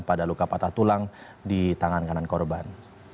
pada luka patah tulang di tangan kanan korban